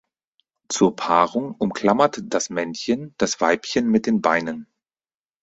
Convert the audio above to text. Zur Paarung umklammert das Männchen das Weibchen mit den Beinen.